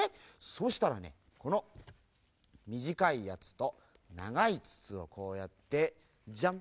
そうしたらねこのみじかいやつとながいつつをこうやってジャン！